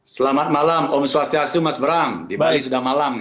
selamat malam om swastiastu mas bram di bali sudah malam